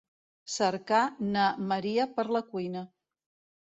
Cercar na Maria per la cuina.